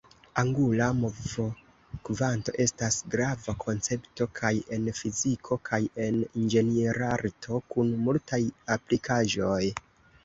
Angula movokvanto estas grava koncepto kaj en fiziko kaj en inĝenierarto, kun multaj aplikaĵoj.